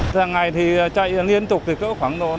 thằng này thì chạy liên tục thì có khoảng năm sáu đơn